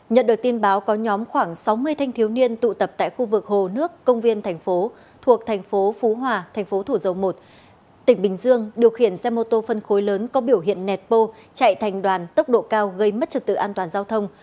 nhận được tin báo có nhóm khoảng sáu mươi thanh thiếu niên tụ tập tại khu vực hồ nước công viên thành phố thuộc thành phố phú hòa thành phố thủ dầu một tỉnh bình dương điều khiển xe mô tô phân khối lớn có biểu hiện nẹt bô chạy thành đoàn tốc độ cao gây mất trật tự an toàn giao thông